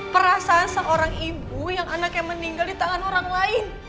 perasaan seorang ibu yang anaknya meninggal di tangan orang lain